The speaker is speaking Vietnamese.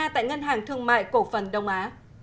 tại ngân hàng thương mại cổ phần đông á